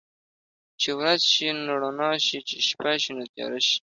چې ورځ شي نو رڼا شي، چې شپه شي نو تياره شي.